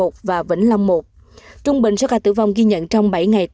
ghi nhận năm ca tử vong